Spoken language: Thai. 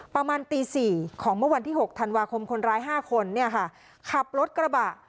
ประมาณตี๔ของเมื่อวันที่๖ธันวาคมคนร้าย๕คนเนี่ยค่ะขับรถกระบะ